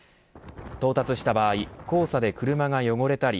到達した場合黄砂で車が汚れたり